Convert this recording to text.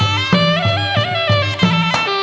กลับไปด้วย